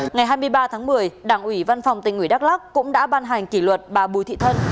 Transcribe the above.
ngày hai mươi ba tháng một mươi đảng ủy văn phòng tỉnh ủy đắk lắc cũng đã ban hành kỷ luật bà bùi thị thân